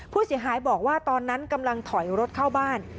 ผู้เสียหายบอกว่าตอนนั้นกำลังถอยรถเข้าบ้าน